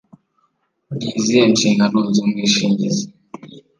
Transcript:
ni izihe nshingano z’ umwishingizi?